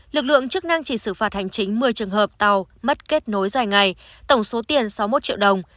lực lượng chức năng chỉ xử phạt hành chính một mươi trường hợp tàu mất kết nối dài ngày tổng số tiền sáu mươi một triệu đồng